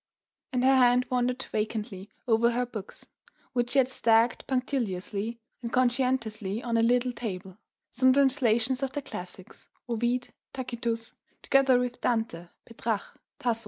And her hand wandered vacantly over her books, which she had stacked punctiliously and conscientiously on a little table: some translations of the classics, Ovid, Tacitus, together with Dante, Petrach, Tasso.